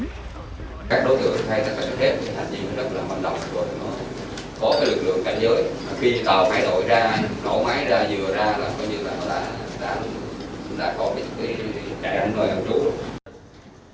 các đối tượng khai thác cát lậu phép hành vi lực lượng là hoạt động có lực lượng cảnh dưới khi tàu máy đổi ra tàu máy đổi ra dựa ra có nghĩa là đã có cái trại hành lợi ở trụ